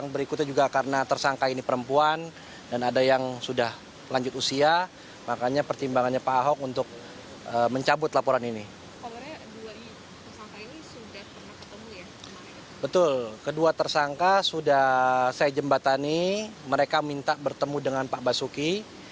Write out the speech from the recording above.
betul kedua tersangka sudah saya jembatani mereka minta bertemu dengan pak basuki